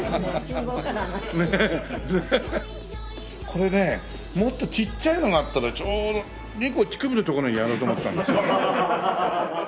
これねもっとちっちゃいのがあったらちょうど２個乳首のところにやろうと思ったんですよ。